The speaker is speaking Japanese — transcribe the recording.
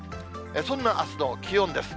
そんなあすの気温です。